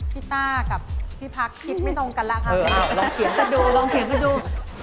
พี่ต้ากับพี่พักคิดไม่ตรงกันแล้วครับ